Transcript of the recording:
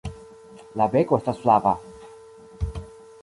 La beko estas flava.